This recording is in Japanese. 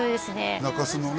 中洲のね